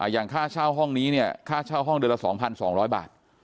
อย่างค่าเช่าห้องนี้เนี่ยค่าเช่าห้องเดือนละ๒๒๐๐บาท